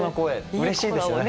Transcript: うれしいですよね。